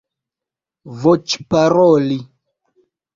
voĉparoli